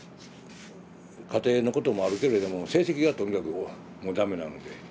家庭のこともあるけれども成績がとにかくもう駄目なので。